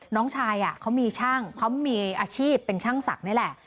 น้องชายเขามีช่างเขามีอาชีพเป็นช่างศักดิ์นี่แหละ